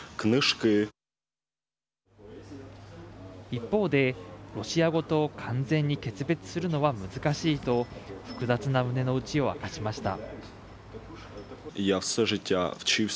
一方でロシア語と完全に決別するのは難しいと複雑な胸の内を明かしました。